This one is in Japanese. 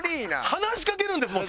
話しかけるんですもん。